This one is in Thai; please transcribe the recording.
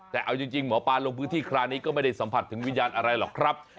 แต่เอาจริงหมอปลาลงพื้นที่คราวนี้ก็ไม่ได้สัมผัสถึงวิญญาณอะไรหรอกครับ